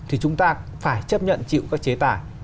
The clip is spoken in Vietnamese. thì chúng ta phải chấp nhận chịu các chế tài